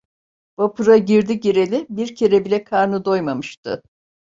Vapura girdi gireli bir kere bile karnı doymamıştı.